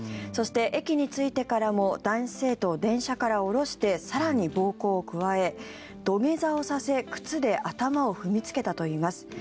そして、駅に着いてからも男子生徒を電車から降ろして更に暴行を加え、土下座をさせ靴で頭を踏みつけたといいます。